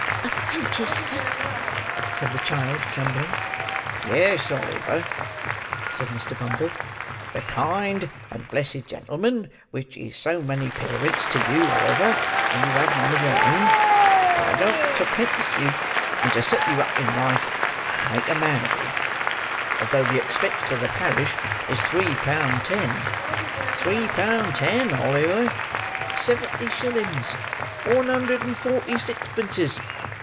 "A prentice, sir!" said the child, trembling. "Yes, Oliver," said Mr. Bumble. "The kind and blessed gentleman which is so many parents to you, Oliver, when you have none of your own: are a going to "prentice" you: and to set you up in life, and make a man of you: although the expense to the parish is three pound ten!—three pound ten, Oliver!—seventy shillins—one hundred and forty sixpences!